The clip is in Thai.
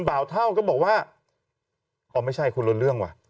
อ้าวไม่ใช่คุณล้นเรื่องว่ะ